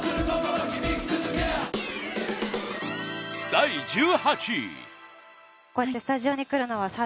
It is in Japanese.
第１８位。